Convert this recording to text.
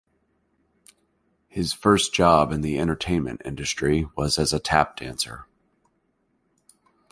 His first job in the entertainment industry was as a tap dancer.